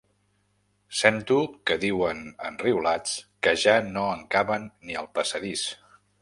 Sento que diuen, enriolats, que ja no en caben ni al passadís.